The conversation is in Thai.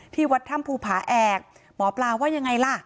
ที่วัดถ้ำภูผาแอกหมอปลาว่ายังไงล่ะ